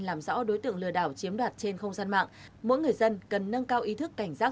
làm rõ đối tượng lừa đảo chiếm đoạt trên không gian mạng mỗi người dân cần nâng cao ý thức cảnh giác